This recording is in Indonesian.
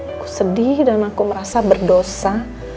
aku sedih dan aku merasa berdosa